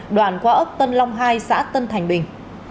đoạn qua ấp tân long hai xã tân thành bình